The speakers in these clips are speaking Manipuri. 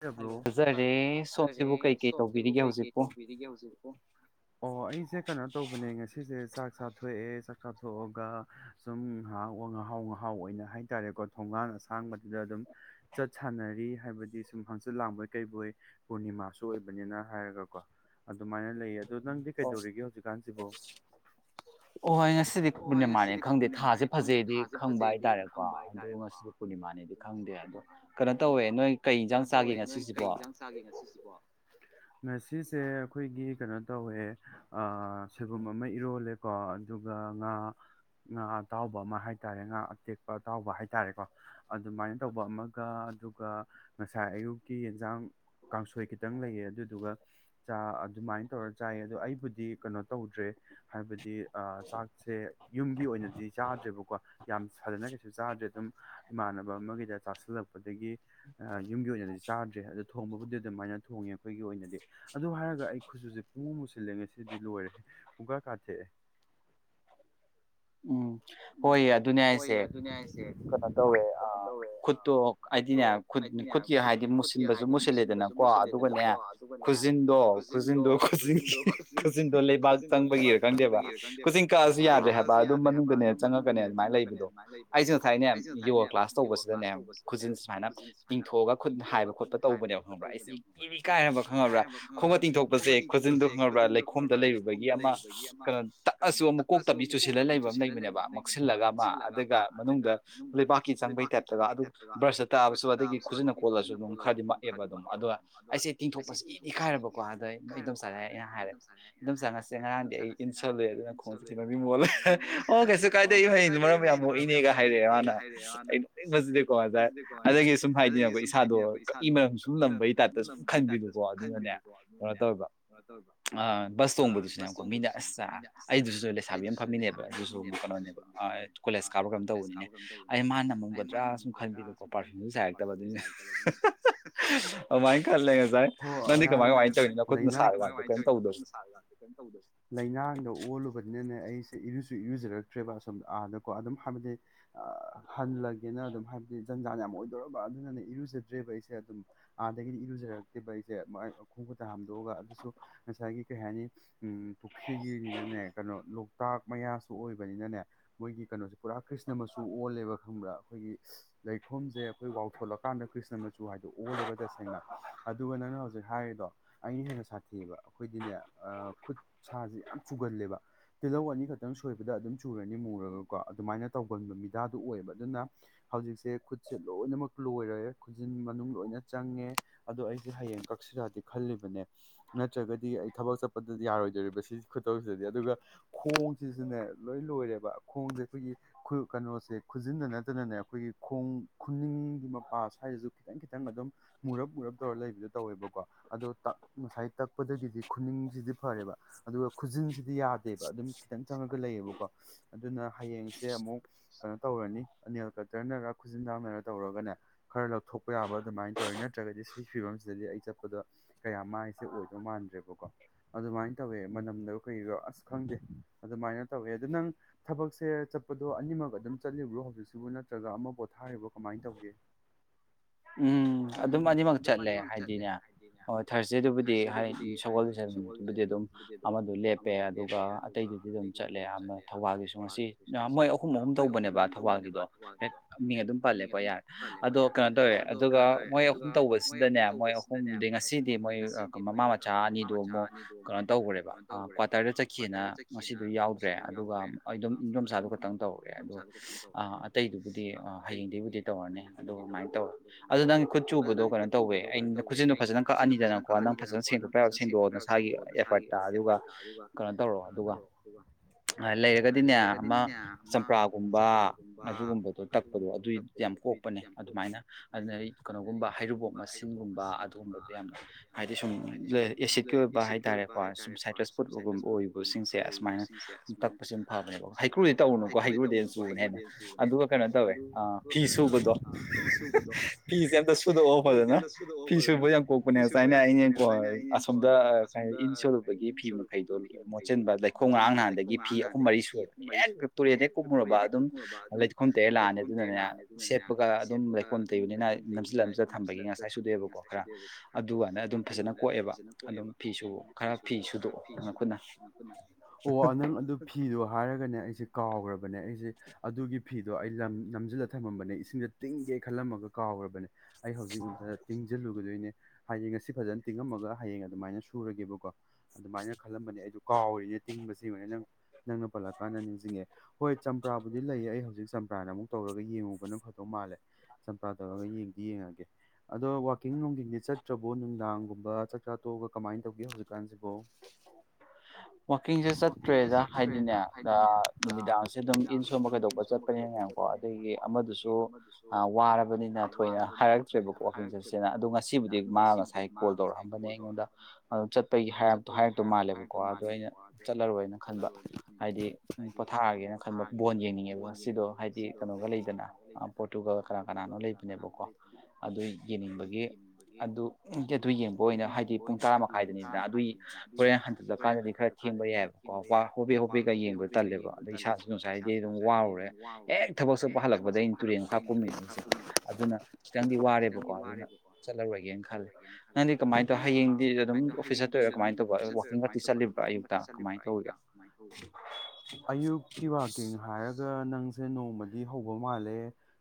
ꯔꯕ꯭ꯔꯣ ꯄꯥꯖꯔꯦ ꯁꯣꯝꯁꯤꯕꯨ ꯀꯩꯀꯩ ꯇꯧꯕꯤꯔꯤꯒꯦ ꯍꯧꯖꯤꯛꯄꯣ ꯑꯣ ꯑꯩꯁꯦ ꯀꯩꯅꯣ ꯇꯧꯕꯅꯦ ꯉꯁꯤꯁꯦ ꯆꯥꯛ ꯆꯥꯛꯆꯥꯥ ꯊꯣꯛꯑꯦ ꯆꯥꯛ ꯆꯥꯊꯑꯒ ꯁꯨꯝ ꯉꯍꯥꯛ ꯋꯥ ꯉꯍꯥꯎ ꯉꯍꯥꯎ ꯑꯣꯏꯅ ꯍꯥꯏꯇꯥꯔꯦꯀꯣ ꯊꯣꯡꯒꯥꯟ ꯑꯁꯥꯡꯕꯗꯨꯗ ꯑꯗꯨꯝ ꯆꯠ ꯁꯥꯟꯅꯔꯤ ꯍꯥꯏꯕꯗꯤ ꯁꯨꯝ ꯍꯪꯆꯤꯜ ꯂꯥꯡꯕꯣꯏ ꯀꯩꯕꯣꯏ ꯄꯨꯔꯅꯤꯃꯥꯁꯨ ꯑꯣꯏꯕꯅꯤꯅ ꯍꯥꯏꯔꯒꯀꯣ ꯑꯗꯨꯃꯥꯏꯅ ꯂꯩꯌꯦ ꯑꯗꯣ ꯅꯪꯗꯤ ꯀꯩꯗꯧꯔꯤꯒꯦ ꯍꯧꯖꯤꯛꯀꯥꯟꯁꯤꯕꯣ ꯑꯣꯍꯣꯏ ꯉꯁꯤꯗꯤ ꯄꯨꯔꯅꯤꯃꯥꯅꯦ ꯈꯪꯗꯦ ꯊꯥꯁꯦ ꯐꯖꯩꯗꯤ ꯈꯪꯕ ꯍꯥꯏꯇꯥꯔꯦꯀꯣ ꯑꯗꯨ ꯉꯁꯤꯗꯤ ꯄꯨꯔꯅꯤꯃꯥꯅꯤꯗꯤ ꯈꯪꯗꯦ ꯑꯗꯣ ꯀꯩꯅꯣ ꯇꯧꯋꯦ ꯅꯣꯏ ꯀꯩ ꯀꯩꯅꯣ ꯇꯧꯋꯦ ꯅꯣꯏ ꯀꯩ ꯌꯦꯟꯁꯥꯡ ꯆꯥꯒꯦ ꯉꯁꯤꯁꯤꯕꯣ ꯉꯁꯤꯁꯦ ꯑꯩꯈꯣꯏꯒꯤ ꯀꯩꯅꯣ ꯇꯧꯋꯦ ꯁꯣꯏꯕꯨꯝ ꯑꯃ ꯏꯔꯣꯜꯂꯦꯀꯣ ꯑꯗꯨꯒ ꯉ ꯉꯥ ꯑꯇꯥꯎꯕ ꯑꯃ ꯍꯥꯏ ꯇꯔꯦ ꯉꯥ ꯑꯇꯦꯛꯄ ꯑꯇꯥꯎꯕ ꯍꯥꯏ ꯇꯔꯦꯀꯣ ꯑꯗꯨꯃꯥꯏꯅ ꯇꯧꯕ ꯑꯃꯒ ꯑꯗꯨꯒ ꯉꯁꯥꯏ ꯑꯌꯨꯛꯀꯤ ꯌꯦꯟꯁꯥꯡ ꯀꯥꯡꯁꯣꯏ ꯈꯤꯇꯪ ꯂꯩꯌꯦ ꯑꯗꯨꯗꯨꯒ ꯆꯥ ꯑꯗꯨꯃꯥꯏꯅ ꯇꯧꯔ ꯆꯥꯏꯌꯦ ꯑꯗꯣ ꯑꯩꯕꯨꯗꯤ ꯀꯩꯅꯣ ꯇꯧꯗ꯭ꯔꯦ ꯍꯥꯏꯕꯗꯤ ꯆꯥꯛꯁꯦ ꯌꯨꯝꯒꯤ ꯑꯣꯏꯅꯗꯤ ꯆꯥꯗ꯭ꯔꯦꯕꯀꯣ ꯌꯥꯝ ꯁꯥꯖꯅ ꯀꯩꯁꯨ ꯆꯥꯗ꯭ꯔꯦ ꯑꯗꯨꯝ ꯏꯃꯥꯟꯅꯕ ꯑꯃꯒꯤꯗ ꯆꯥꯁꯤꯜꯂꯛꯄꯗꯒꯤ ꯌꯨꯝꯒꯤ ꯑꯣꯏꯅꯗꯤ ꯆꯥꯗ꯭ꯔꯦ ꯑꯣ ꯊꯣꯡꯕꯕꯨꯗꯤ ꯑꯗꯨꯃꯥꯏꯅ ꯊꯣꯡꯉꯦ ꯑꯩꯈꯣꯏꯒꯤ ꯑꯣꯏꯅꯗꯤ ꯑꯗꯨ ꯍꯥꯏꯔꯒ ꯑꯩ ꯈꯨꯆꯨꯁꯦ ꯄꯨꯡ ꯃꯨꯛ ꯁꯤꯜꯂꯦ ꯉꯦ ꯁꯤꯗꯗꯤ ꯂꯣꯏꯔꯦ ꯄꯨꯡꯀ ꯀꯁꯦ ꯎꯝ ꯍꯣꯏ ꯑꯗꯨꯅꯦ ꯍꯥꯏꯁꯦ ꯀꯩꯅꯣ ꯇꯧꯋꯦ ꯈꯨꯠꯇꯣ ꯍꯥꯏꯗꯤꯅꯦ ꯈꯨꯠ ꯈꯨꯠꯀꯤ ꯍꯥꯏꯗꯤ ꯃꯨꯁꯤꯟꯕꯁꯨ ꯃꯨꯁꯤꯜꯂꯦꯗꯅꯀꯣ ꯑꯗꯨꯒꯅꯦ ꯈꯨꯖꯤꯟꯗꯣ ꯈꯨꯖꯤꯟꯗꯣ ꯀꯆꯤꯟꯗꯣ ꯂꯩꯕꯥꯛ ꯆꯪꯕꯒꯤꯔ ꯈꯪꯗꯦꯕ ꯀꯆꯤꯡ ꯀꯛꯑꯁꯨ ꯌꯥꯗ꯭ꯔꯦ ꯍꯥꯏꯕ ꯑꯗꯨꯝ ꯪꯗꯅꯦ ꯆꯪꯉꯛꯀꯅꯦ ꯑꯗꯨꯃꯥꯏꯅ ꯂꯩꯕꯗꯣ ꯑꯩꯁꯦ ꯉꯁꯥꯏ ꯑꯅꯦ ꯌꯣꯒꯥ ꯀ꯭ꯂꯥꯁ ꯇꯧꯕꯁꯤꯗꯅꯦ ꯈꯨꯖꯤꯟ ꯁꯨꯃꯥꯏꯅ ꯇꯤꯡꯊꯣꯛꯑꯒ ꯈꯨꯠ ꯍꯥꯏꯕ ꯈꯣꯠꯄ ꯇꯧꯕꯅꯦꯕ ꯈꯪꯉꯕ꯭ꯔꯥ ꯑꯩꯁꯤ ꯀꯤꯕꯤ ꯀꯥꯏꯔꯕ ꯈꯪꯉꯕ꯭ꯔꯥ ꯈꯣꯡꯕ ꯇꯤꯡꯊꯣꯛꯄꯁꯦ ꯈꯨꯖꯤꯟꯗꯣ ꯈꯪꯉꯕ꯭ꯔꯥ ꯂꯩꯈꯣꯝꯗ ꯂꯩꯔꯨꯕꯒꯤ ꯑꯃ ꯀꯩꯅꯣ ꯇꯛꯑꯁꯨ ꯑꯃꯨꯛ ꯀꯣꯛꯇꯕꯤ ꯆꯨꯁꯤꯜꯂ ꯂꯩꯕꯅꯦꯕꯥ ꯑꯃ ꯑꯗꯨꯒ ꯃꯅꯨꯡꯗꯕꯀꯤ ꯆꯪꯕꯩ ꯇꯥꯏꯇꯒ ꯑꯗꯨ ꯕ꯭ꯔꯇ ꯆꯥꯕꯁꯨ ꯑꯗꯒꯤ ꯈꯨꯖꯤꯟꯅ ꯈꯣꯠꯂꯁꯨ ꯑꯗꯨꯝ ꯈꯔꯗꯤ ꯃꯛꯑꯦꯕ ꯑꯗꯨꯝ ꯑ ꯑꯩꯁꯦ ꯇꯤꯡꯊꯣꯛꯄꯁꯦ ꯏꯗꯤ ꯈꯥꯏꯔꯕꯀꯣ ꯑꯗꯩ ꯏ ꯑꯗꯨꯝ ꯆꯥꯅꯛꯑꯦ ꯑꯩꯅ ꯍꯥꯏꯔꯦ ꯏ ꯑꯗꯨꯝ ꯆꯪꯉꯁꯦ ꯉꯔꯥꯡꯗꯤ ꯑꯩ ꯏꯟꯁꯜꯂꯨꯦ ꯑꯗꯨꯅ ꯈꯣꯡꯁꯤ ꯃꯃꯤꯡ ꯃꯣꯜꯂ ꯑꯣ ꯀꯩꯁꯨ ꯀꯥꯏꯗꯦ ꯍꯩꯣ ꯃꯔꯝ ꯌꯥꯝ ꯃꯣꯛꯏꯅꯦꯒ ꯍꯥꯏꯔꯛꯑꯦ ꯃꯥꯅ ꯑꯩ ꯅꯣꯛꯅꯤꯡꯕꯁꯤꯗꯤꯩꯀꯣ ꯑꯣꯖꯥꯏ ꯣ ꯉꯁꯥꯏ ꯑꯗꯒꯤ ꯁꯨꯝ ꯍꯥꯏꯗꯤꯅꯦꯀ ꯏꯁꯥꯗꯣ ꯀꯛ ꯁꯨꯝ ꯅꯝꯕꯒꯤ ꯇꯥꯏꯞꯇ ꯁꯨꯝ ꯈꯟꯗꯕꯀꯣ ꯀꯩꯅꯣ ꯇꯧꯋꯔꯤꯕ ꯕꯁ ꯇꯣꯡꯕꯗꯨꯁꯨꯅꯦꯕꯀꯣ ꯃꯤꯅ ꯑꯁ ꯑꯩꯗꯨꯁꯨ ꯂꯩꯁꯥꯕꯤ ꯑꯃ ꯐꯝꯃꯤꯅꯦ ꯑꯗꯨꯁꯨ ꯀꯩꯅꯣꯅꯦꯕ ꯀꯣꯂꯦꯖ ꯀꯥꯕ ꯀꯔꯝ ꯇꯧꯕꯅꯤꯅꯦ ꯑꯩ ꯃꯥꯅ ꯑꯃꯝꯃꯝꯒꯗ꯭ꯔꯥ ꯁꯨꯝ ꯈꯟꯕꯤꯕꯣ ꯄꯥꯔꯁꯦꯟꯇ ꯍꯥꯏꯔꯛꯇꯕ ꯑꯗꯨꯅꯦ ꯑꯗꯨꯃꯥꯏꯅ ꯈꯜꯂꯦ ꯍ ꯂꯩꯅꯥꯡꯗ ꯑꯣꯜꯂꯨꯕꯅꯤꯅ ꯑꯩꯁꯦ ꯏꯔꯨꯁꯨ ꯏꯔꯨꯖꯔꯛꯇ꯭ꯔꯦꯕ ꯑꯁꯣꯝꯗ ꯑꯥꯗꯀꯣ ꯑꯗꯨꯝ ꯍꯥꯏꯕꯗꯤ ꯍꯜꯂꯒꯦꯅ ꯑꯗꯨꯝ ꯍꯥꯏꯕꯗꯤ ꯖꯟꯖꯥꯥꯟ ꯌꯥꯝ ꯑꯣꯏꯗꯧꯔꯕ ꯑꯗꯨꯅꯅꯦ ꯏꯔꯨꯖꯗ꯭ꯔꯦꯕ ꯑꯩꯁꯦ ꯑꯗꯨꯝ ꯑꯥꯗꯒꯤꯗꯤ ꯏꯔꯨꯖꯔ ꯠꯇꯦꯕ ꯑꯩꯁꯦ ꯃ ꯃꯈꯣꯡ ꯈꯨꯠꯇ ꯍꯥꯝꯗꯣꯛꯑꯒ ꯑꯗꯨꯁꯨ ꯉꯁꯥꯏꯒꯤ ꯀꯩ ꯍꯥꯏꯅꯤ ꯎ ꯄꯨꯈ꯭ꯔꯤꯒꯤꯅꯤꯅ ꯀꯩꯅꯣ ꯂꯣꯛꯇꯥꯛ ꯃꯌꯥꯁꯨ ꯑꯣꯏꯕꯅꯤꯅꯅꯦ ꯃꯣꯏꯒꯤ ꯀꯩꯅꯣꯁꯦ ꯄꯨꯔꯥ ꯈ꯭ꯔꯤꯁꯅ ꯃꯁꯨꯨ ꯑꯣꯜꯂꯦꯕ ꯈꯪꯕ꯭ꯔꯥ ꯑꯩꯈꯣꯏꯒꯤ ꯂꯩꯈꯣꯝꯁꯦ ꯑꯩꯈꯣꯏ ꯋꯥꯥꯎꯊꯣꯂꯀꯥꯟꯗ ꯀ꯭ꯔꯤꯁꯅ ꯃꯆꯨ ꯍꯥꯏꯗꯣ ꯑꯣꯜꯂꯦꯕ ꯇꯁꯦꯡꯅ ꯑꯗꯨꯒ ꯅꯪꯅ ꯍꯧꯖꯤꯛ ꯍꯥꯏꯔꯤꯗꯣ ꯑꯩꯅ ꯍꯦꯟꯅ ꯁꯥꯊꯤꯑꯕ ꯑꯩꯈꯣꯏꯗꯤꯅꯦ ꯈꯨꯠ ꯁꯥꯁꯤꯦ ꯌꯥꯝ ꯆꯨꯒ ꯊꯝꯂꯕ ꯇꯤꯜꯍꯧ ꯑꯅꯤ ꯈꯛꯇꯪ ꯁꯣꯏꯕꯗ ꯑꯗꯨꯝ ꯆꯨꯔꯅꯤ ꯃꯨꯔꯒꯀꯣ ꯑꯗꯨꯃꯥꯏꯅ ꯇꯧꯒꯟꯕ ꯃꯤꯗꯥꯗꯨ ꯑꯣꯏꯌꯦꯕ ꯑꯗꯨꯅ ꯍꯧꯖꯤꯛꯁꯦ ꯈꯨꯠꯁꯦ ꯂꯣꯏꯅꯃꯛ ꯂꯣꯏꯔꯦ ꯈꯨꯠꯖꯤꯟ ꯃꯅꯨꯡ ꯂꯣꯏꯅ ꯆꯪꯉꯦ ꯑꯗꯣ ꯑꯩꯁꯦ ꯍꯌꯦꯡ ꯀꯛꯁꯤꯜꯂꯛꯑꯗꯤ ꯈꯜꯂꯤꯕꯅꯦ ꯅꯠꯇ꯭ꯔꯒꯗꯤ ꯑꯩ ꯊꯕꯛ ꯆꯠꯄꯗ ꯌꯥꯔꯣꯏꯗꯣꯔꯤꯕ ꯁꯤ ꯇꯧꯖꯦ ꯑꯗꯨꯒ ꯈꯣꯡꯁꯤꯁꯤꯅꯦ ꯂꯣꯏ ꯂꯣꯏꯔꯦꯕ ꯈꯣꯡꯁꯦ ꯑꯩꯈꯣꯏꯒꯤ ꯀꯩꯅꯣꯁꯦ ꯈꯨꯖꯤꯟꯅ ꯅꯠꯇꯅꯅꯦ ꯑꯩꯈꯣꯏꯒꯤ ꯣꯡ ꯈꯨꯅꯤꯡꯒꯤ ꯃꯄꯥ ꯁ꯭ꯋꯥꯏꯗꯁꯨ ꯈꯤꯇꯪ ꯈꯤꯇꯪ ꯑꯗꯨꯝ ꯃꯨꯔꯞ ꯃꯨꯔꯞ ꯇꯧꯔ ꯂꯩꯕꯗꯣ ꯇꯧꯋꯦꯕꯀꯣ ꯑꯗꯣ ꯉꯁꯥꯏ ꯇꯛꯄꯗꯒꯤꯗꯤ ꯈꯨꯅꯤꯡꯁꯤꯗꯤ ꯐꯔꯦꯕ ꯑꯗꯨꯒ ꯈꯨꯖꯤꯟꯁꯤꯗꯤ ꯌꯥꯗꯦꯕ ꯑꯗꯨꯝ ꯈꯤꯇꯪ ꯆꯪꯉꯒ ꯂꯩꯌꯦꯕꯀꯣ ꯑꯗꯨꯅ ꯍꯌꯦꯡꯁꯦ ꯑꯃꯨꯛ ꯁꯅ ꯇꯧꯔꯅꯤ ꯑꯅꯜ ꯀꯛꯇꯅꯔ ꯈꯨꯖꯤꯟ ꯊꯥꯡꯅꯔ ꯇꯧꯔꯒꯅꯦ ꯈꯔ ꯂꯧꯊꯣꯛꯄ ꯌꯥꯕ ꯑꯗꯨꯃꯥꯏꯅ ꯇꯧꯔ ꯧ ꯅꯠꯇ꯭ꯔꯒꯗꯤ ꯁꯤꯒꯤ ꯐꯤꯕꯝꯁꯤꯗꯗꯤ ꯑꯩ ꯆꯠꯄꯗ ꯀꯌꯥ ꯃꯥꯏꯁꯦ ꯑꯣꯏꯗꯧ ꯃꯥꯟꯗ꯭ꯔꯦꯕꯀꯣ ꯑꯗꯨꯃꯥꯏꯅ ꯇꯧꯋꯦ ꯃꯅꯝꯗ ꯀꯩꯗꯣ ꯑ ꯈꯪꯗꯦ ꯑꯗꯨꯃꯥꯏꯅ ꯇꯧꯋꯦ ꯑꯗ ꯅꯪ ꯊꯕꯛꯁꯦ ꯆꯠꯄꯗꯣ ꯑꯅꯤꯃꯛ ꯑꯗꯨꯝ ꯆꯠꯂꯤꯕ꯭ꯔꯣ ꯍꯧꯖꯤꯛꯁꯤꯕꯨ ꯅꯠꯇ꯭ꯔꯒ ꯑꯃ ꯄꯣꯠꯊꯥꯔꯤꯕ ꯀꯃꯥꯏꯅ ꯇꯧꯒꯦ ꯎꯝ ꯑꯗꯨ ꯃꯅꯤꯃꯛ ꯆꯠꯂꯦ ꯍꯥꯏꯗꯤꯅꯦ ꯊꯥꯔꯁꯗꯦꯗꯨꯕꯨꯗꯤ ꯍꯥꯏ ꯁꯒꯣꯜꯁ ꯅꯨꯃꯤꯠꯇꯨꯕꯨꯗꯤ ꯑꯗꯨꯝ ꯂꯦꯞꯄꯦ ꯑꯗꯨꯒ ꯑꯇꯩꯗꯨꯗꯤ ꯑꯗꯨꯝ ꯆꯠꯂꯦ ꯊꯧꯕꯥꯜꯒꯤꯁꯨ ꯉꯁꯤ ꯃꯣꯏ ꯑꯍꯨꯝ ꯑꯍꯨꯝ ꯇꯧꯕꯅꯦꯕ ꯊꯜ ꯕꯥꯜꯗꯣ ꯍꯦꯛ ꯃꯤ ꯑꯗꯨꯝ ꯄꯜꯂꯦꯀꯣ ꯌꯥꯔꯦ ꯑꯗꯣ ꯀꯩꯅꯣ ꯇꯧꯋꯦ ꯑꯗꯨꯒ ꯃꯣꯏ ꯑꯍꯨꯝ ꯇꯧꯕꯁꯤꯗꯅꯦ ꯃꯣꯏ ꯑꯍꯨꯝꯗꯤ ꯉꯁꯤꯗꯤ ꯃꯣꯏ ꯃꯃꯥ ꯃꯆꯥ ꯑꯅꯤꯗꯣ ꯑꯃꯨꯛ ꯀꯩꯅꯣ ꯇꯧꯈ꯭ꯔꯦꯕ ꯀ꯭ꯋꯥꯇꯔꯗ ꯆꯠꯈꯤꯑꯅ ꯃꯁꯤꯗ ꯌꯥꯎꯗ꯭ꯔꯦ ꯑꯗꯨꯒ ꯑꯩ ꯑꯗꯨꯝ ꯏꯗꯣꯝꯆꯥꯥꯗꯨ ꯈꯛꯇꯪ ꯇꯧꯔꯨꯔꯦ ꯑꯗꯣ ꯑ ꯑꯇꯩꯗꯨꯕꯨꯗꯤ ꯍꯌꯦꯡꯗꯒꯤꯕꯨꯗꯤ ꯇꯧꯔꯅꯤ ꯑꯗꯨ ꯑꯗꯨꯃꯥꯏꯅ ꯇꯧꯋꯦ ꯑꯗꯣ ꯅꯪ ꯈꯨꯠꯁꯨ ꯇ ꯎꯕꯗꯣ ꯀꯩꯅꯣ ꯇꯧꯋꯦ ꯑ ꯈꯨꯖꯤꯟꯗꯣ ꯐꯖꯅ ꯀꯛꯑꯅꯤꯗꯅꯀꯣ ꯅꯪ ꯐꯖꯅ ꯁꯦꯡꯗꯣꯛꯄ꯭ꯔ ꯌꯥꯕ ꯁꯦꯡꯗꯣꯛꯑꯣ ꯅꯁꯥꯒꯤ ꯑꯦꯐꯔꯠꯇ ꯑꯦꯐꯠꯇ ꯑꯗꯨꯒ ꯀꯩꯅꯣ ꯇꯧꯔꯣ ꯑꯗꯨꯒ ꯂꯩꯔꯒꯗꯤꯅꯦ ꯑꯃ ꯆꯝꯄ꯭ꯔꯥꯒꯨꯝꯕ ꯑꯗꯨꯒꯨꯝꯕꯗꯣ ꯇꯛꯄꯗꯣ ꯑꯗꯨꯒꯤ ꯌꯥꯝ ꯀ ꯄꯣꯛꯄꯅꯦ ꯑꯗꯨꯃꯥꯏꯅ ꯑꯗꯨꯅ ꯀꯩꯅꯣꯒꯨꯝꯕ ꯍꯩꯔꯨꯕꯣꯞ ꯃꯆꯤꯟꯒꯨꯝꯕ ꯑꯗꯨꯒꯨꯝꯕꯗꯣ ꯌꯥꯝꯅ ꯍꯥꯏꯗꯤ ꯁꯨꯝ ꯑꯦꯁꯤꯠꯀꯤ ꯑꯣꯏꯕ ꯍꯥꯏꯇꯥꯔꯦꯀꯣ ꯁꯥꯏꯇ꯭ꯔꯁꯄꯨꯠꯄꯒꯨꯝꯕ ꯑꯣꯏꯔꯤꯕꯁꯤꯡꯁꯦ ꯑꯨꯃꯥꯏꯅ ꯇꯄꯁꯦ ꯌꯥꯝ ꯐꯕꯅꯦꯕꯣ ꯍꯩꯀ꯭ꯔꯨꯗꯤ ꯇꯧꯎꯅꯨꯀꯣ ꯍꯩꯀ꯭ꯔꯨꯗꯤ ꯍꯩꯒꯗꯦꯁꯨ ꯍꯦꯟꯅ ꯑꯗꯨꯒ ꯀꯩꯅꯣ ꯇꯧꯋꯦꯁꯨ ꯐꯤꯖꯦ ꯑꯝꯗ ꯁꯨꯗꯣꯛꯑꯣ ꯐꯖꯅ ꯐꯤꯁꯨꯨꯕ ꯌꯥꯝ ꯀꯣꯛꯄꯅꯦ ꯉꯁꯥꯏꯅ ꯑꯩꯅꯀꯣ ꯑꯁꯣꯝꯗ ꯀ ꯏꯟ ꯁ ꯑꯗꯨꯒꯤ ꯐꯤ ꯃꯈꯩꯗꯣ ꯃꯣꯠꯁꯤꯟꯕ ꯂꯩꯈꯣ ꯉꯔꯥꯡ ꯅꯍꯥꯟꯗꯒꯤ ꯐꯤ ꯑꯍꯨꯝ ꯃꯔꯤ ꯁꯨꯔꯕꯅꯤ ꯍꯦꯛ ꯇꯨꯔꯦꯟ ꯍꯦꯛ ꯀꯨꯝꯃꯨꯔꯕ ꯑꯗꯨꯝ ꯂꯩꯈꯣꯝ ꯇꯩꯔ ꯂꯥꯛꯑꯅꯤ ꯑꯗꯨꯅꯅꯦ ꯁꯦꯠꯄꯒ ꯑꯗꯨꯝ ꯂꯩꯈꯣꯝ ꯇꯩꯕꯅꯤꯅ ꯅꯝꯁꯤꯜ ꯊꯝꯕꯒꯤ ꯉꯁꯥꯏ ꯁꯨꯗꯕꯀꯣ ꯈꯔ ꯑꯗꯨꯅ ꯑꯗꯨꯝ ꯐꯖꯅ ꯀꯣꯛꯑꯦꯕ ꯑꯗꯨꯝ ꯐꯤꯁꯨ ꯈꯔ ꯐꯤ ꯑꯣ ꯅꯪ ꯑꯗꯨ ꯐꯤꯗꯣ ꯍꯥꯏꯔꯒꯅꯦ ꯑꯩꯁꯦ ꯀꯥꯎꯈ꯭ꯔꯕ ꯑꯩꯁꯦ ꯑꯗꯨꯒꯤ ꯐꯤꯗꯣ ꯑꯩ ꯅꯝꯁꯤꯜꯂ ꯊꯝꯃꯝꯕꯅꯦ ꯏꯁꯤꯡꯗ ꯇꯤꯡꯒꯦ ꯈꯜꯂꯝꯃꯒ ꯀꯥꯎꯈ꯭ꯔꯕꯅꯦ ꯑꯩ ꯍꯧꯖꯤꯛ ꯑꯝꯗ ꯇꯤꯡꯁꯤꯜꯂꯨ ꯗꯣꯏꯅꯦ ꯍꯥꯏꯌꯦꯡ ꯉꯁꯤ ꯐꯖꯅ ꯇꯤꯡꯉꯝꯃꯒ ꯍꯌꯦꯡ ꯑꯗꯨꯃꯥꯏꯅ ꯁꯨꯔꯒꯦꯕꯀꯣ ꯑꯗꯨꯃꯥꯏꯅ ꯈꯜꯂꯝꯕꯅꯦ ꯑꯩ ꯀꯥꯎꯔꯤꯅꯦ ꯇꯤꯡꯕꯁꯤꯃꯅ ꯅꯪꯅ ꯄꯜꯂꯛꯑꯀꯥꯟꯗ ꯅꯤꯡꯁꯤꯡꯉꯦ ꯍꯣꯏ ꯆꯝꯄ꯭ꯔꯥꯕꯨꯗꯤ ꯂꯩꯌꯦ ꯑꯩ ꯍꯧꯖꯤꯛꯄ꯭ꯔ ꯅꯨ ꯇꯧꯔꯒ ꯌꯦꯡꯉꯨꯅ ꯐꯗꯧ ꯃꯥꯜꯂꯦ ꯆꯝꯄ꯭ꯔꯥ ꯇꯧꯔꯒ ꯌꯦꯡꯗꯤ ꯌꯦꯡꯉꯒꯦ [inaudible] ꯑꯗꯣ ꯋꯥꯛꯀꯤꯡ ꯅꯨꯡꯊꯤꯟꯗꯤ ꯆꯠꯇ꯭ꯔꯕꯣ ꯅꯨꯡꯗꯥꯡꯒꯨꯝꯕ ꯆꯥꯛ ꯆ꯭ꯔꯥ ꯇꯣꯛꯑꯒ ꯀꯃꯥꯏꯅ ꯇꯧꯒꯦ ꯍꯧꯖꯤꯛꯀꯥꯟꯁꯤꯕꯣ ꯋꯥꯛꯀꯤꯡꯁꯦ ꯆꯠꯇ꯭ꯔꯦꯗ ꯍꯥꯏꯗꯤꯅꯦ ꯅꯨꯃꯤꯗꯥꯡꯁꯦ ꯑꯗꯨꯝ ꯏꯟ ꯁꯣꯟꯕ ꯀꯩꯗꯣꯛꯄ ꯆꯠꯄ ꯃꯌꯥꯝ ꯀꯣ ꯑꯗꯒꯤ ꯑꯃꯗꯨꯁꯨ ꯋꯥꯔꯕꯅꯤꯅ ꯊꯣꯏꯅ ꯇ꯭ꯔꯦꯕꯀꯣ ꯆꯠꯅ ꯑꯗꯨ ꯉꯁꯤꯕꯨꯗꯤ ꯃꯥ ꯉꯁꯥꯏ ꯀꯣꯜ ꯇꯧꯔꯛꯑꯝꯕꯅꯦ ꯑꯩꯉꯣꯟꯗ ꯑꯗꯨꯝ ꯆꯠꯄꯒꯤ ꯍꯥꯏꯔ ꯍꯥꯏꯔꯛꯇꯣ ꯃꯥꯜꯂꯦꯕ ꯑꯗꯨ ꯃꯥꯜꯂꯦꯕꯀꯣ ꯑꯗꯨ ꯑꯩꯅ ꯆꯠꯂꯔꯣꯏꯅ ꯈꯟꯕ ꯍꯥꯏꯗꯤ ꯄꯣꯊꯥꯒꯦꯅ ꯈꯟꯕ ꯕꯣꯟ ꯌꯦꯡ ꯗꯣ ꯍꯥꯏꯗꯤ ꯀꯩꯅꯣꯒ ꯂꯩꯗꯅ ꯄꯣꯔꯇꯨꯒꯜ ꯀꯅꯥ ꯀꯅꯥꯅꯣ ꯂꯩꯕꯅꯦꯕꯀꯣ ꯑꯗꯨ ꯌꯦꯡꯅꯤꯡꯕꯒꯤ ꯑꯗꯨ ꯑꯗꯨ ꯌꯦꯡꯕ ꯑꯣꯏꯅ ꯍꯥꯏꯗꯤ ꯄꯨꯡ ꯇꯔꯥ ꯃꯈꯥꯏꯗꯅꯤꯗꯅ ꯑꯗꯨꯏ ꯌꯥ ꯑꯗꯨꯏ ꯀꯥꯟꯗꯗꯤ ꯈꯔ ꯊꯦꯡꯕ ꯌꯥꯏꯑꯕꯀꯣ ꯍꯣꯕꯤ ꯍꯣꯕꯤꯒ ꯌꯦꯡꯕꯗ ꯇꯜꯂꯦꯕ ꯑꯗ ꯏꯁꯥꯁꯨ ꯉꯁꯥꯏꯗꯤ ꯑꯗꯨꯝ ꯋꯥꯔꯨꯔꯦ ꯍꯦꯛ ꯊꯕꯛ ꯆꯠꯄ ꯍꯜꯂꯛꯄꯗ ꯑꯩꯅ ꯇꯨꯔꯦꯟ ꯃꯈꯥ ꯀꯨꯝꯃꯤꯅꯦ ꯑꯩꯁꯦ ꯑꯗꯨꯅ ꯈꯤꯇꯪꯗꯤ ꯋꯥꯔꯦꯕꯀꯣ ꯑꯗꯨꯅ ꯆꯠꯂꯔꯣꯏꯒꯦꯅ ꯈꯜꯂꯦ ꯅꯪꯗꯤ ꯀꯃꯥꯏꯅ ꯇꯧ ꯍꯌꯦꯡꯗꯤ ꯑꯗꯨꯝ ꯑꯣꯐꯤꯁ ꯆꯠꯇꯣꯏ ꯑꯗꯨꯝ ꯑꯣꯐꯤꯁ ꯑꯌꯨꯛꯀꯤ ꯋꯥꯀꯤꯡ ꯍꯥꯏꯔꯒ ꯅꯪꯁꯦ ꯅꯣꯡꯃꯗꯤ ꯍꯧꯕ ꯃꯥꯜꯂꯦ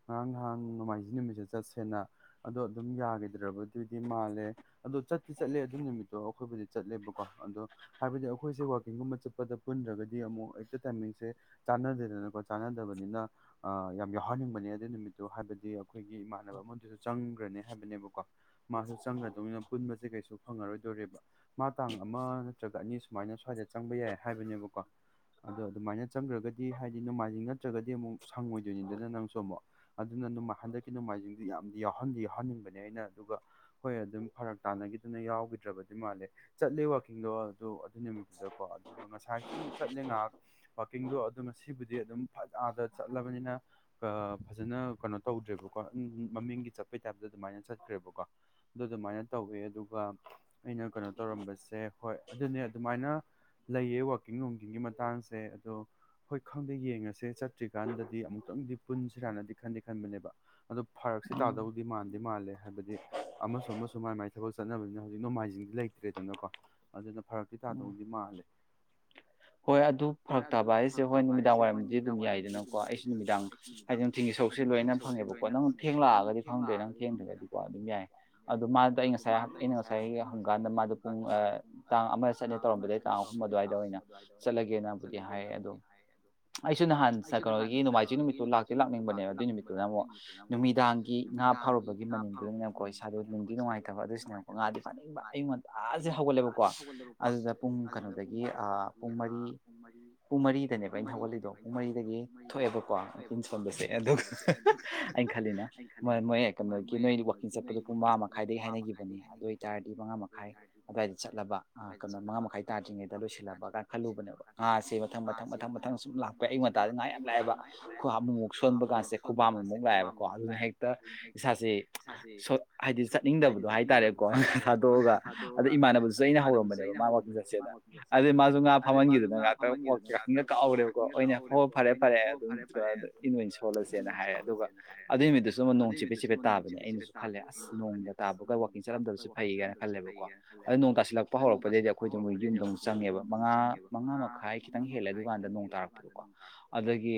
ꯉꯔꯥꯡ ꯅꯍꯥꯡ ꯅꯣꯡꯃꯥꯏꯖꯤꯡ ꯅꯨꯃꯤꯠꯇ ꯆꯠꯁ ꯁꯦꯅ ꯑꯗꯣ ꯑꯗꯨꯝ ꯌꯥꯈꯤꯗ꯭ꯔꯕꯗꯨꯗꯤ ꯃꯥꯜꯂꯦ ꯑꯗꯣ ꯆꯠꯇꯤ ꯆꯠꯂꯦ ꯑꯗꯨ ꯅꯨꯃꯤ ꯑꯣ ꯑꯩꯈꯣꯏꯕꯨꯗꯤ ꯆꯠꯂꯦꯕꯀꯣ ꯑꯗꯣ ꯍꯥꯏꯕꯗꯤ ꯑꯩꯈꯣꯏꯁꯦ ꯋꯥꯛꯀꯤꯡꯒꯨꯝꯕ ꯆꯠꯄꯗ ꯄꯨꯟꯗ꯭ꯔꯒꯗꯤ ꯑꯃꯨꯛ ꯑꯦꯠ ꯗ ꯇꯥꯏꯃꯤꯡ ꯆꯥꯟꯅꯗꯦꯗꯅꯀꯣ ꯆꯥꯟꯅꯗꯕꯅꯤꯅ ꯌꯥꯝ ꯌꯥꯎꯍꯟꯅꯤꯡꯕꯅꯦ ꯑꯗꯨ ꯅꯨꯃꯤꯠꯇꯨ ꯍꯥꯏꯕꯗꯤ ꯑꯩꯈꯣꯏꯒꯤ ꯏ ꯗꯨꯁꯨ ꯆꯪꯈ꯭ꯔꯅꯤ ꯍꯥꯏꯕꯅꯦꯕꯀꯣ ꯃꯥꯁꯨ ꯆꯪꯈ꯭ꯔꯗꯧꯅꯤꯅ ꯄꯨꯟꯕꯁꯦ ꯀꯩꯁꯨ ꯐꯪꯉꯔꯣꯏꯗꯣꯔꯦꯕ ꯃꯥ ꯇꯥꯡ ꯑꯃ ꯅꯠꯇ꯭ꯔꯒ ꯑꯅꯤ ꯁꯨꯃꯥꯏꯅ ꯁ꯭ꯋꯥꯏꯗ ꯆꯪꯕ ꯌꯥꯏ ꯍꯥꯏꯕꯅꯦꯕꯀꯣ ꯑꯗꯣ ꯑꯗꯨꯃꯥꯏꯅ ꯆꯪꯈ꯭ꯔꯒꯗꯤ ꯍꯥꯏꯗꯤ ꯅꯣꯡꯃꯥꯏꯖꯤꯡ ꯅꯠꯇ꯭ꯔꯒꯗꯤ ꯑꯃꯨꯛ ꯁꯪꯉꯣꯏꯗꯣꯏꯅꯤꯗꯅ ꯅꯪꯁꯨ ꯑꯃꯨꯛ ꯑꯗꯨꯅ ꯗꯅꯨꯃ ꯍꯟꯗꯛꯀꯤ ꯅꫭꯡꯃꯥꯏꯖꯤꯡ ꯌꯥꯝꯗꯤ ꯌꯥꯎꯍꯟꯗꯤ ꯌꯥꯎꯍꯟꯅꯤꯡꯕꯅꯦ ꯑꯩꯅ ꯑꯗꯨꯒ ꯍꫭꯏ ꯑꯗꯨꯝ ꯐꯔꯛ ꯇꯥꯟꯅꯈꯤꯗꯅ ꯌꯥꯎꯈꯤꯗ꯭ꯔꯕꯗꯤ ꯃꯥꯜꯂꯦ ꯆꯠꯂꯦ ꯋꯥꯛꯀꯤꯡꯗꯣ ꯑꯗꯨꯣ ꯑꯗꯨ ꯅꯨꯃꯤꯠꯇꯨꯗꯀꯣ ꯑꯗꯨꯒ ꯉꯁꯥꯏꯁꯨ ꯆꯠꯂꯦ ꯉꯥꯏꯍꯥꯛ ꯋꯥꯛꯀꯤꯡꯗꯣ ꯑꯗꯨ ꯉꯁꯤꯕꯨꯗꯤ ꯑꯗꯨꯝ ꯐꯠ ꯑꯥꯗ ꯆꯠꯂꯕꯅꯤꯅ ꯐꯖꯅ ꯀꯩꯅꯣ ꯇꯧꯗ꯭ꯔꯦ ꯎꯝ ꯃꯃꯤꯡꯒꯤ ꯆꯠꯄꯩ ꯇꯥꯏꯞꯇ ꯑꯗꯨꯃꯥꯏꯅ ꯆꯠꯈ꯭ꯔꯦꯕꯀꯣ ꯑꯗꯨ ꯑꯗꯨꯃꯥꯏꯅ ꯇꯧꯋꯦ ꯑꯗꯨꯒ ꯑꯩꯅ ꯀꯩꯅꯣ ꯇꯧꯔꯝꯕꯁꯦ ꯍꯣꯏ ꯑꯗꯨꯅꯦ ꯑꯗꯨꯃꯥꯏꯅ ꯂꯩꯌꯦ ꯋꯥꯛꯀꯤꯡ ꯅꯨꯡꯀꯤꯡꯒꯤ ꯃꯇꯥꯡꯁꯦ ꯑꯗꯣ ꯍꯣꯏ ꯈꯪꯗꯦ ꯌꯦꯡꯉꯁꯦ ꯆꯠꯇ꯭ꯔꯤꯀꯥꯟꯗꯗꯤ ꯑꯃꯨꯛꯇꯪꯗꯤ ꯄꯨꯟꯁꯤꯔꯅꯗꯤ ꯈꯟꯗꯤ ꯈꯟꯕꯅꯦꯕ ꯑꯗꫭ ꯐꯔꯛꯁꯦ ꯇꯥꯗꯧꯗꯤ ꯃꯥꯟ ꯗꯤꯃꯥꯜꯂꯦ ꯍꯥꯏꯕꯗꯤ ꯑꯃꯁꯨ ꯑꯃꯁꯨ ꯃꯥꯏ ꯃꯥꯏ ꯊꯕꯛ ꯆꯠꯅꯕꯅꯤꯅ ꯍꯧꯖꯤꯛ ꯅꯣꯡꯃꯥꯏꯖꯤꯡꯗꯤ ꯂꯩꯇ꯭ꯔꯦꯗꯅꯀꯣ ꯑꯗꯨ ꯑꯗꯨꯅ ꯐꯔꯛꯇꯤ ꯇꯥꯗꯧꯗꯤ ꯃꯥꯜꯂꯦ [inaudible] ꯍꯣꯏ ꯑꯗꯨ ꯐꯔꯛ ꯇꯥꯕ ꯍꯥꯏꯁꯦ ꯍꯣꯏ ꯅꯨꯃꯤꯗꯥꯡ ꯋꯥꯏꯔꯝꯗꯤ ꯑꯗꯨꯝ ꯌꯥꯏꯗꯅꯀꯣ ꯑꯩꯁꯨ ꯅꯨꯃꯤꯗꯥꯡ ꯍꯥꯏꯗꯤ ꯅꯨꯡ ꯒꯤ ꯁꯔꯨꯛꯁꯦ ꯂꯣꯏꯅ ꯐꯪꯉꯦꯕꯀꯣ ꯅꯪ ꯊꯦꯡꯂꯥꯛꯑꯒꯗꯤ ꯈꯪꯗ꯭ꯔꯦ ꯅꯪ ꯊꯦꯡꯗ꯭ꯔꯒꯗꯤꯀꯣ ꯑꯗꯨꯝ ꯌꯥꯏ ꯑꯗꯣ ꯃꯥꯗ ꯑꯩ ꯉꯁꯥꯏ ꯑꯩꯅ ꯉꯁꯥꯏ ꯍꯪꯀꯥꯟꯗ ꯃꯥꯗꫭ ꯄꯨꯡ ꯑ ꯇꯥꯡ ꯑꯃꯗ ꯆꯠꯅꯦ ꯇꯧꯔꯝꯕꯗꯩ ꯇꯥꯡ ꯑꯍꯨꯝ ꯑꯗꯨꯋꯥꯏꯗ ꯑꯣꯏꯅ ꯑꯗꯨꯋꯥꯏꯗ ꯑꯣꯏꯅ ꯆꯠꯂꯒꯦꯅꯕꯨ ꯍꯥꯏ ꯑꯗꯨ ꯑꯩꯁꯨ ꯅꯍꯥꯟ ꯁ ꯀꯩꯅꯣꯒꯤ ꯅꯣꯡꯃꯥꯏꯖꯤꯡ ꯅꯨꯃꯤꯠꯇꯨ ꯂꯥꯛꯇꯤ ꯂꯥꯛꯅꯤꯡꯕꯅꯦꯕ ꯑꯗꯨꯏ ꯅꯨꯃꯤꯠꯇꯨꯅ ꯑꯃꯨꯛ ꯅꯨꯃꯤꯗꯥꯡꯒꯤ ꯉꯥ ꯐꯥꯎꯔꯨꯕꯒꯤ ꯃꯅꯤꯟ ꯗꯨꯗꯅꯦꯕꯀꯣ ꯏꯁꯥꯗꯣ ꯅꯨꯡꯗꯤ ꯅꯨꯡꯉꯥꯏꯇꯕ ꯑꯗꯨꯁꯨꯅꯦꯕꯀꯣ ꯉꯥꯗꯤ ꯐꯥꯅꯤꯡꯕ ꯑꯩꯌꯨꯛ ꯉꯟꯇꯥꯥꯁꯦ ꯍꯧꯒꯠꯂꯦꯕꯀꯣ ꯑꯗꯨꯗ ꯄꯨꯡ ꯀꯩꯅꯣꯗꯒꯤ ꯑ ꯄꯨꯡ ꯃꯔꯤ ꯄꯨꯡ ꯃꯔꯤꯗꯅꯦꯕ ꯑꯩꯅ ꯍꯧꯒꯠꯜꯂꯤꯗꯣ ꯄꯨꯡ ꯃꯔꯤꯗꯒꯤ ꯊꯣꯛꯑꯦꯕꯀꯣ ꯏꯟ ꯁꯣꯟꯕꯁꯦ ꯑꯗꯨꯒ ꯈꯜꯂꯤꯅ ꯃꯣꯏ ꯃꫭꯏ ꯀꯩꯅꯣꯒꯤ ꯅꯣꯏ ꯋꯥꯛꯀꯤꯡ ꯆꯠꯄꯗꯣ ꯄꯨꯡ ꯃꯉꯥ ꯃꯈꯥꯏꯗꯒꯤ ꯍꯥꯏꯅꯈꯤꯕꯅꯦ ꯑꯗꯨ ꯑꯣꯏꯇꯥꯔꯗꯤ ꯃꯉꯥ ꯃꯈꯥꯏ ꯑꯗꯨꯋꯥꯏꯗ ꯆꯠꯂꯕ ꯑ ꯀꯩꯅꯣ ꯃꯉꯥ ꯃꯈꯥꯏ ꯇꯥꯗ꯭ꯔꯤꯉꯩꯗ ꯂꯣꯏꯁꯤꯜꯂꯕ ꯒꯥ ꯈꯜꯂꯨꯕꯅꯦꯕ ꯉꯥꯁꯦ ꯃꯊꯪ ꯃꯊꯪ ꯃꯊꯪ ꯃꯊꯪ ꯁꯨꯝ ꯂꯥꯛꯄ ꯑꯌꯨꯛ ꯉꯟꯇꯥꯗ ꯉꯥ ꯌꯥꯝ ꯂꯥꯛꯑꯦꯕ ꯈꯨ ꯍꯥ ꯑꯃꯨꯛ ꯃꯨꯛ ꯁꯣꯟꯕ ꯀꯥꯁꯦ ꯈꯨꯕꯥꯝ ꯑꯃꯨ ꯄꯥꯛꯑꯦꯕꯀꯣ ꯑꯗꯨꯅ ꯍꯦꯛꯇ ꯏꯁꯥꯁꯦ ꯁꫭ ꯍꯥꯏꯗꯤ ꯆꯠꯅꯤꯡꯗꯕꯗꯣ ꯍꯥꯏꯇꯥꯔꯦꯀꯣ ꯊꯥꯗꫭ ꯗꫭꯒ ꯑꯗ ꯏꯃꯥꯟꯅꯕꯗꯨꯁꯨ ꯑꯩꯅ ꯍꯧꯔꯝꯕꯅꯦꯕ ꯃꯥ ꯋꯥꯀꯤꯡ ꯆꯠꯁꯦꯅ ꯑꯗꯩ ꯃꯥꯁꯨ ꯉꯥ ꯐꯝꯍꯟꯈꯤꯗꯅ ꯉꯥꯛꯇ ꯋꯥꯀꯤꯡꯒ ꯀꯥꯎꯔꯦꯕꯀꯣ ꯑꯣꯏꯅ ꯍꫭ ꯐꯔꯦ ꯐꯔꯦ ꯑꯗꯨꯝ ꯀ ꯗ ꯏꯟ ꯑꯣꯏꯅ ꯁꯣꯜꯂ ꯁꯦꯅ ꯍꯥꯏꯌꯦ ꯑꯗꯨꯒ ꯑꯗꯨꯏ ꯅꯨꯃꯤꯠꯇꯨꯁꯨ ꯑꯃ ꯅꯣꯡ ꯆꯤꯐꯦꯠ ꯆꯤꯐꯦꯠ ꯇꯥꯕꯅꯦ ꯑꯩꯅꯁꯨ ꯈꯜꯂꯦ ꯑꯁ ꯅꯣꯡꯒ ꯇꯥꯕꯒ ꯋꯥꯀꯤꯡ ꯆꯠꯂꯝꯗꯕꯁꯦ ꯐꯩ ꯒꯥꯏꯅ ꯈꯜꯂꯦꯕꯀꯣ ꯑꯗꯣ ꯅꯣꯡ ꯇꯥꯁꯤꯜꯂꯛꯄ ꯍꯧꯔꯛꯄꯗꯩꯗꯤ ꯑꯩꯈꯣꯏꯗꯣ ꯃꯣꯏ ꯌꯨꯝꯗ ꯑꯃꯨꯛ ꯆꯪꯉꯦꯕ ꯃꯉꯥ ꯃꯉꯥ ꯃꯈꯥꯏ ꯈꯤꯇꯪ ꯍꯦꯜꯂꯦ ꯑꯗꯨꯀꯥꯟꯗ ꯅꯣꯡ ꯇꯥꯔꯛꯄꯗꯣꯀꯣ ꯑꯗꯒꯤ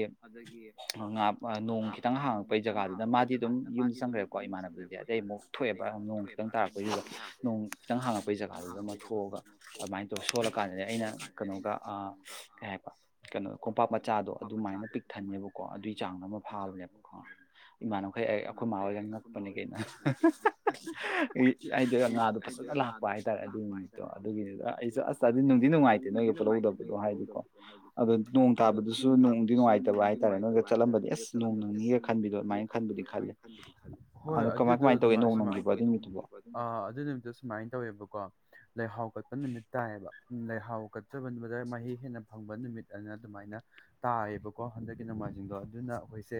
ꯉꯥ ꯑ ꯅꯣꯡ ꯈꯤꯇꯪ ꯍꯥꯡ ꯄꯩ ꯖꯒꯥꯗꯨꯅ ꯃꯥꯗꯤ ꯑꯗꯨꯝ ꯌꯨꯝꯗ ꯆꯪꯈ꯭ꯔꯦꯕꯀꯣ ꯏꯃꯥꯟꯅꯕꯗꯨꯗꯤ ꯑꯗꯩ ꯑꯃꯨꯛ ꯊꯣꯛꯑꯦꯕ ꯅꯣꯡ ꯈꯤꯇꯪ ꯇꯥꯔꯛꯄꯩꯗꯨꯗ ꯅꫭꯡ ꯈꯤꯇꯪ ꯍꯥꯡꯉꯛꯦꯄꯩ ꯖꯒꯥꯗꯨꯗ ꯑꯃ ꯊꯣꯛꯑꯒ ꯑꯗꯨꯃꯥꯏꯅ ꯇꯧꯔ ꯁꯣꯜꯂ ꯀꯥꯟꯗꯅꯦ ꯑꯩꯅꯥ ꯀꯩꯅꯣꯒ ꯑꯥ ꯀꯩ ꯍꯥꯏꯕꯥ ꯀꯩꯅꯣꯗꯣ ꯀꯣꯝꯄꯥꯛ ꯃꯆꯥꯗꯣ ꯑꯗꯨꯃꯥꯏꯅ ꯄꯤꯛꯊꯟꯅꯦꯕꯀꯣ ꯑꯗꯨꯒꯤ ꯆꯥꯡꯗꯣ ꯑꯃ ꯐꯥꯕꯅꯦꯕꯀꫭ ꯏꯃꯅꯕꯈꯩ ꯑꯩ ꯑꯩꯈꯣꯏ ꯃꯥ ꯍꯣꯏꯒ ꯉꯛꯄꯅꯦ ꯀꯩꯅꫭ ꯑꯩ ꯑꯩꯗ ꯉꯥꯗꯣ ꯐꯖꯟ ꯂꯥꯛꯄ ꯍꯥꯏꯇꯥꯔꯦ ꯑꯗꯨꯒꯤ ꯅꯨꯃꯤꯠꯇꯣ ꯑꯗꯨꯒꯤꯅꯤꯗ ꯑꯩꯁꯨ ꯑꯁ ꯑꯗꯤ ꯅꯨꯡꯗꯤ ꯅꯨꯡꯉꯥꯏꯇꯦ ꯅꯣꯏ ꯄꯨꯜꯍꯧꯗꯕꯗꯣ ꯍꯥꯏꯗꯤꯀꯣ ꯑꯗꫭ ꯅꯣꯡ ꯇꯥꯕꯗꯨꯁꯨ ꯅꯨꯡꯗꯤ ꯅꯨꯡꯉꯥꯏꯇꯕ ꯍꯥꯏꯇꯥꯔꯦ ꯅꯣꯏꯒ ꯆꯠꯂꯝꯕꯗꯤ ꯑꯁ ꯅꯣꯡ ꯅꯪꯅꯤꯒ ꯍꯣꯏ ꯑꯗꯨꯗꯣ ꯑꯗꯨꯃꯥꯏ ꯁꯨꯃꯥꯏ ꯑꯥ ꯑꯗꯨ ꯅꯨꯃꯤꯠꯇꯣ ꯁꯨꯃꯥꯏꯅ ꯇꯧꯋꯦꯕꯀꯣ ꯂꯩꯍꯥꯎ ꯀꯠꯄ ꯅꯨꯃꯤꯠ ꯇꯥꯏꯌꯦꯕ ꯂꯩꯍꯥꯎ ꯀꯠꯆꯕ ꯅꯨꯃꯤꯗ ꯃꯍꯩ ꯍꯦꯟꯅ ꯐꯪꯕ ꯅꯨꯃꯤꯠ ꯑꯅ ꯑꯗꯨꯃꯥꯏꯅ ꯇꯥꯏꯌꯦꯕꯀꯣ ꯍꯟꯗꯛꯀꯤ ꯅꫭꯡꯃꯥꯏ ꯖꯤꯡꯗꯣ ꯑꯗꯨꯅ ꯑꯩꯈꯣꯏꯁꯦ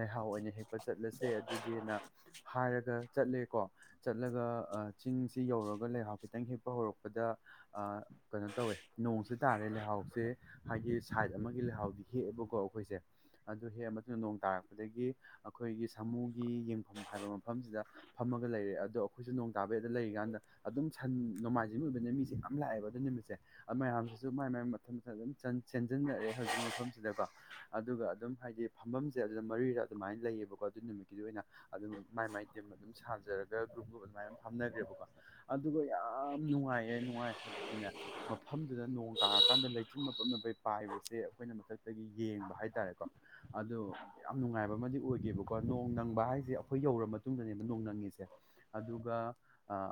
ꯂꯩꯍꯥꯎ ꯑꯣꯏꯅ ꯍꯦꯛꯄ ꯆꯠꯂꯁꯦ ꯑꯗꯨꯗꯤꯅ ꯍꯥꯏꯔꯒ ꯆꯠꯂꯦꯀꯣ ꯆꯠꯂꯒ ꯑ ꯆꯤꯡꯁꯤ ꯌꯧꯔꯒ ꯂꯩꯍꯥꯎ ꯈꯤꯇꯪ ꯍꯦꯛꯄ ꯍꯧꯔꯛꯄꯗ ꯑꯥ ꯀꯩꯅꯣ ꯇꯧꯋꯦ ꯅꯣꯡꯁꯦ ꯇꯥꯔꯦ ꯂꯩꯍꯥꯎꯁꯦ ꯍꯥꯏꯗꯤ ꯁꯥꯏꯠ ꯑꯃꯒꯤ ꯂꯩꯍꯥꯎꯗꯤ ꯍꯦꯛꯑꯦꯕꯀꯣ ꯑꯩꯈꯣꯏꯁꯦ ꯑꯗꯨ ꯍꯦꯛꯑ ꯃꯇꯨꯡꯗ ꯅꯣꯡ ꯇꯥꯔꯛ ꯑꯗꯒꯤ ꯑꯩꯈꯣꯏꯒꯤ ꯁꯥꯃꯨꯒꯤ ꯌꯦꯡꯐꯝ ꯍꯥꯏꯕ ꯃꯐꯝꯁꯤꯗ ꯐꯝꯃꯒ ꯂꯩꯔꯦ ꯑꯗꯣ ꯑꯩꯈꯣꯏꯁꯨ ꯅꯣꯡ ꯇꯥꯕ ꯄꯩ ꯑꯗ ꯂꯩꯔꯤꯀꯥꯟꯗ ꯑꯗꯨꯝ ꯁꯟ ꯅꯣꯡꯃꯥꯏꯖꯤꯡ ꯑꯣꯏꯕꯅꯤꯅ ꯃꯤꯁꯦ ꯌꯥꯝ ꯂꯥꯛꯑꯦꯕ ꯑꯗꯨ ꯅꯨꯃꯤꯠꯁꯦ ꯃꯌꯥꯝꯁꯤꯁꯨ ꯃꯥꯏ ꯃꯥꯏ ꯃꯊꯟ ꯃꯊꯪ ꯑꯗꯨꯝ ꯆꯦꯟꯖꯟꯅꯔꯦ ꯍꯧꯖꯤꯛꯀꯤ ꯃꯐꯝꯁꯤꯗꯀꯣ ꯑꯗꯨꯒ ꯑꯗꯨꯝ ꯍꯥꯏꯗꯤ ꯐꯝꯐꯝꯁꯦ ꯑꯗꯨꯅ ꯃꯔꯤꯗ ꯑꯗꯨꯃꯥꯏꯅ ꯂꯩꯌꯦꯕꯀꯣ ꯑꯗꯨ ꯅꯨꯃꯤꯠꯀꯤꯗꯤ ꯑꯣꯏꯅ ꯑꯗꯨ ꯃꯥꯏ ꯃꯥꯏ ꯇꯤꯝ ꯑꯗꯨꯝ ꯁꯥꯖꯔꯒ ꯒ꯭ꯔꯨꯞꯀꯨꯝꯕ ꯑꯗꯨ ꯃꯥꯏꯅ ꯐꯝꯅꯈ꯭ꯔꯦꯕꯀꯣ ꯑꯗꯨꯒ ꯌꯥꯝ ꯅꯨꯡꯉꯥꯏ ꯅꯨꯡꯉꯥꯏ ꯅꯨꯡꯉꯥꯏ ꯍꯥꯏꯕꯗꯨꯅꯦ ꯃꯐꯝꯗꯨꯗ ꯅꯣꯡ ꯇꯔ ꯀꯥꯟꯗ ꯂꯩꯆꯤꯟꯅ ꯑꯩꯈꯣꯏ ꯄꯥꯏꯕꯁꯦ ꯑꯩꯈꯣꯏꯅ ꯃꯊꯛꯇꯒꯤ ꯌꯦꯡꯕ ꯍꯥꯏꯇꯥꯔꯦꯀꯣ ꯑꯗꯨ ꯌꯥꯝ ꯅꯨꯡꯉꯥꯏꯕ ꯑꯃꯗꯤ ꯑꯣꯏꯒꯦꯕꯀꯣ ꯅꯣꯡ ꯅꯪꯕ ꯍꯥꯏꯁꯦ ꯑꯩꯈꯣꯏ ꯌꯧꯔ ꯃꯇꯨꯡꯗꯅꯦꯕ ꯅꯣꯡ ꯅꯪꯉꯤꯁꯦ ꯑꯗꯨꯒ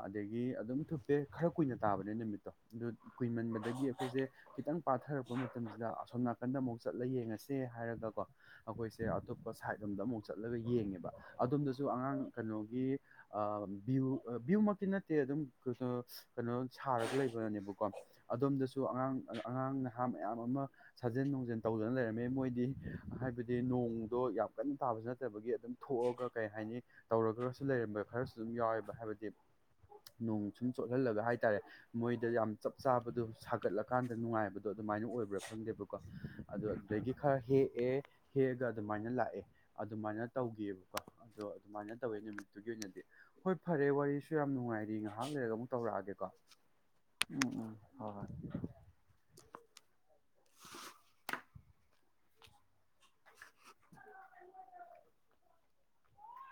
ꯑꯗꯒꯤ ꯑꯗꯨꯝ ꯊꯨꯞꯄꯦ ꯈꯔ ꯀꯨꯏꯅ ꯇꯥꯕꯅꯦ ꯅꯨꯃꯤꯠꯇꯣ ꯑꯗꯨ ꯀꯨꯏꯃꯟꯕꯗꯒꯤ ꯑꯩꯈꯣꯏꯁꯦ ꯈꯤꯇꯪ ꯄꯥꯊꯔꯛꯄ ꯃꯇꯝꯁꯤꯗ ꯑꯁꯣꯝ ꯅꯥꯀꯟꯗ ꯑꯃꯨꯛ ꯆꯠꯂ ꯌꯦꯡꯉꯁꯦ ꯍꯥꯏꯔꯒꯀꯣ ꯑꯩꯈꯣꯏꯁꯦ ꯑꯇꯣꯞꯄ ꯁꯥꯏꯠ ꯑꯝꯗ ꯑꯃꯨꯛ ꯆꯠꯂꯒ ꯌꯦꯡꯉꯦꯕ ꯑꯗꯣꯝꯗꯁꯨ ꯑꯉꯥꯡ ꯀꯩꯅꯣꯒꯤ ꯑꯥ ꯕꯤ ꯚꯤꯝꯃꯛꯇꯤ ꯅꯠꯇꯦ ꯑꯗꯨꯝ ꯀꯩꯅꯣ ꯁꯥꯔꯒ ꯂꯩꯕꯅꯦꯕꯀꯣ ꯑꯗꯣꯝꯗꯁꯨ ꯑꯉꯥꯡ ꯑꯉꯥꯡ ꯑꯉꯥꯡ ꯅꯍꯥ ꯃꯌꯥꯝ ꯑꯃ ꯁꯥꯖꯦꯟ ꯅꯨꯡꯖꯤꯟ ꯇꯧꯗꯨꯅ ꯂꯩꯔꯝꯃꯦ ꯃꯣꯏꯗꯤ ꯍꯥꯏꯕꯗꯤ ꯅꯣꯡ ꯗꯣ ꯌꯥꯝ ꯀꯟ ꯇꯥꯕꯁꯨ ꯅꯠꯇꯕꯒꯤ ꯑꯗꯨꯝ ꯊꯣꯛꯑꯒ ꯀꯩ ꯍꯥꯏꯅꯤ ꯇꯧꯔꯒꯁꯨ ꯂꯩꯔꯝꯕꯥ ꯈꯔꯁꯨ ꯑꯗꯨꯝ ꯌꯥꯎꯋꯦꯕ ꯍꯥꯏꯕꯗꯤ ꯅꯣꯡ ꯁꯨꯝ ꯆꯣꯠꯍꯜꯂꯒ ꯍꯥꯏꯇꯥꯔꯦ ꯃꯣꯏꯗ ꯌꯥꯝ ꯆꯞ ꯆꯥꯕꯗꯣ ꯁꯥꯒꯠꯂꯀꯥꯟꯗ ꯅꯨꯡꯉꯥꯏꯕꯗꯣ ꯑꯗꯨꯃꯥꯏꯅ ꯑꯣꯏꯕ꯭ꯔꯥ ꯈꯪꯗꯦꯕꯀꯣ ꯑꯗꯨ ꯑꯗꯨꯗꯒꯤ ꯈꯔ ꯍꯦꯛꯑꯦ ꯍꯦꯛ ꯗ ꯑꯗꯨꯃꯥꯏꯅ ꯂꯥꯛꯑꯦ ꯑꯗꯨꯃꯥꯏꯅ ꯇꯧꯈꯤꯑꯕꯀꯣ ꯑꯗꯣ ꯑꯗꯨꯃꯥꯏꯅ ꯇꯧꯋꯦ ꯅꯨꯃꯤꯠꯇꯨꯒꯤ ꯑꯣꯏꯅꯗꯤ ꯍꯣꯏ ꯐꯔꯦ ꯋꯥꯔꯤꯁꯨ ꯌꯥꯝ ꯅꯨꯡꯉꯥꯏꯔꯤ ꯉꯥꯏꯍꯥꯛ ꯂꯩꯔꯒ ꯑꯃꯨꯛ ꯇꯧꯔꯛꯑꯒꯦ ꯀ‌ꯣ ꯎꯝ ꯎꯝ ꯍꯣꯏ ꯍꯣꯏ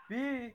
ꯕꯤ